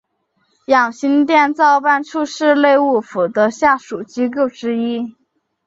养心殿造办处是内务府的下属机构之一。